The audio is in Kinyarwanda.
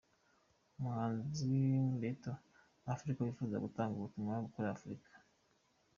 Umuhanzi Mentor Africa wifuza gutanga ubutumwa kuri Afurika.